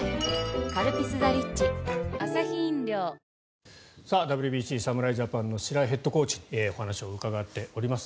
「カルピスＴＨＥＲＩＣＨ」ＷＢＣ侍ジャパンの白井ヘッドコーチにお話を伺っております。